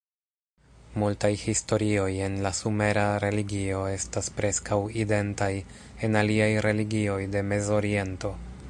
Multaj historioj en la sumera religio estas preskaŭ identaj en aliaj religioj de Mezoriento.